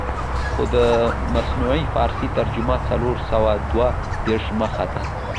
خو د منصوري فارسي ترجمه څلور سوه دوه دېرش مخه ده.